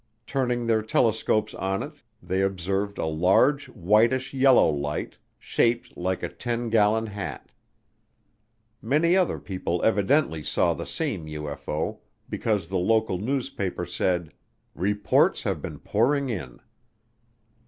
Turning their telescope on it they observed a "large, whitish yellow light, shaped like a ten gallon hat." Many other people evidently saw the same UFO because the local newspaper said, "reports have been pouring in."